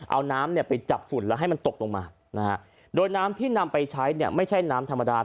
เอาน้ำเนี่ยไปจับฝุ่นแล้วให้มันตกลงมานะฮะโดยน้ำที่นำไปใช้เนี่ยไม่ใช่น้ำธรรมดา